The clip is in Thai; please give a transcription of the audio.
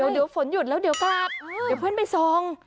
เดี๋ยวฝนหยุดแล้วเดี๋ยวกลับเดี๋ยวเพื่อนไปส่อง